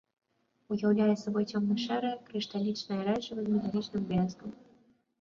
Уяўляе сабой цёмна-шэрае крышталічнае рэчыва з металічным бляскам.